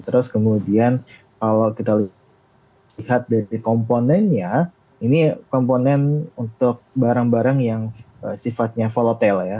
terus kemudian kalau kita lihat dari komponennya ini komponen untuk barang barang yang sifatnya volatile ya